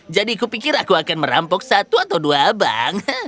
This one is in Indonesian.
jadi kupikir aku akan merampok satu atau dua bank